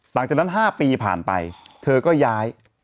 หลังจากนั้น๕ปีผ่านไปเธอก็ย้าย